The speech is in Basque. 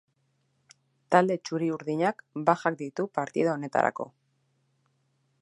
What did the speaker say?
Talde txuri-urdinak bajak ditu partida honetarako.